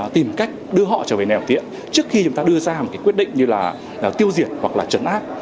tìm cách đưa họ trở về nẻo tiện trước khi chúng ta đưa ra một quyết định như là tiêu diệt hoặc là trấn áp